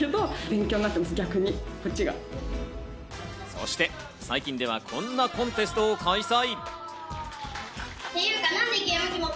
そして最近ではこんなコンテストを開催。